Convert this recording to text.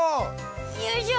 よいしょ。